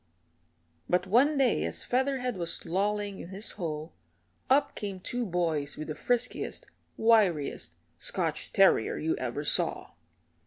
But one day as Featherhead was lolling in his hole, up came two boys with the friskiest, wiriest Scotch terrier you ever saw.